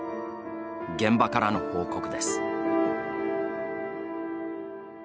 現場からの報告です。